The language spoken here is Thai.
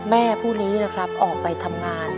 แม่ผู้นี้นะครับออกไปทำงาน